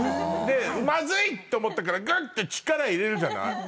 でまずい！って思ったからぐって力入れるじゃない。